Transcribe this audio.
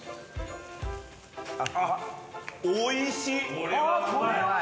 おいしい！